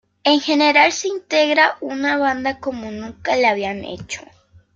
En general se integra una banda como nunca lo habían hecho.